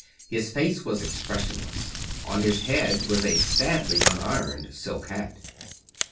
His face was expressionless. On his head was a sadly unironed silk hat.